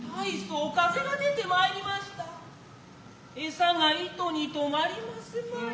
餌が糸にとまりますまい。